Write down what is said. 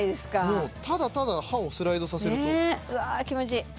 もうただただ刃をスライドさせるとうわあ気持ちいい